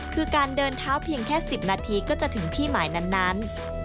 คือการเดินเท้าเพียงแค่๑๐นาทีก็จะถึงที่หมายนั้น